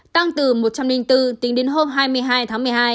tăng từ một trăm linh bốn tính đến hôm hai mươi hai tháng một mươi hai